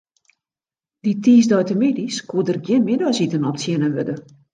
Dy tiisdeitemiddeis koe der gjin middeisiten optsjinne wurde.